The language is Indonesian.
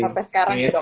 sampai sekarang ya dok